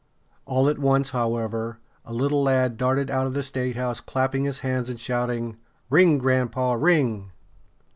All at once, however, a little lad darted out of the statehouse, clapping his hands and shouting: "Ring, grandpa! Ring!"